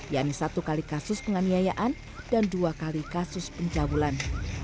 yakni satu kali kasus penganiayaan dan dua kali kasus pencabulan